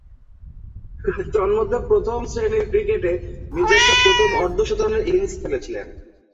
তন্মধ্যে, প্রথম-শ্রেণীর ক্রিকেটে নিজস্ব প্রথম অর্ধ-শতরানের ইনিংস খেলেছিলেন।